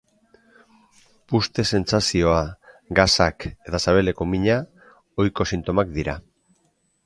Puzte-sentsazioa, gasak eta sabeleko mina ohiko sintomak dira.